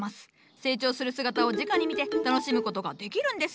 成長する姿をじかに見て楽しむことができるんです。